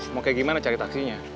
mau kayak gimana cari taksinya